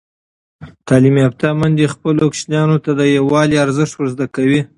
تعلیم یافته میندې خپلو ماشومانو ته د یووالي ارزښت ور زده کوي.